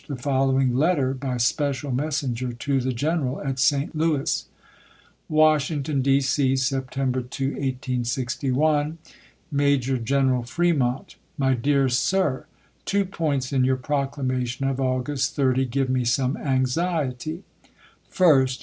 the following letter by special messenger to the general at St. Louis : Washington, D. C, Sept. 2, 1861. Major General Fremont. My Dear Sir: Two points in your proclamation of August 30 give me some anxiety : First.